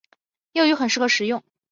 幼鱼很适合食用。